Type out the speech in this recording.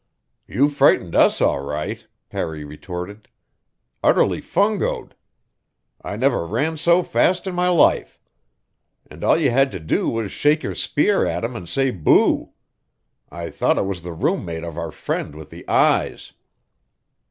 "You frightened us, all right," Harry retorted. "Utterly fungoed. I never ran so fast in my life. And all you had to do was shake your spear at 'em and say boo! I thought it was the roommate of our friend with the eyes."